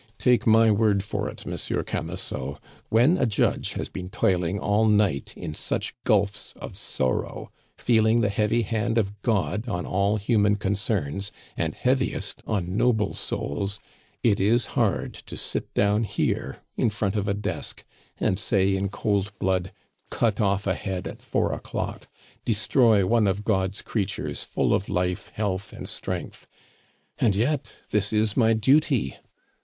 Take my word for it, Monsieur Camusot, when a judge has been toiling all night in such gulfs of sorrow, feeling the heavy hand of God on all human concerns, and heaviest on noble souls, it is hard to sit down here, in front of a desk, and say in cold blood, 'Cut off a head at four o'clock! Destroy one of God's creatures full of life, health, and strength!' And yet this is my duty!